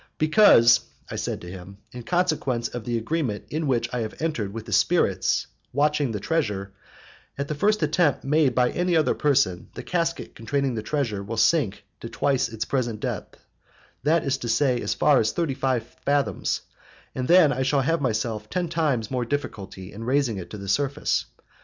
"Because," I said to him, "in consequence of the agreement in which I have entered with the spirits watching the treasure, at the first attempt made by any other person, the casket containing the treasure will sink to twice its present depth, that is to say as deep as thirty five fathoms, and then I shall have myself ten times more difficulty in raising it to the surface.